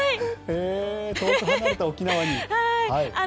遠く離れた沖縄に。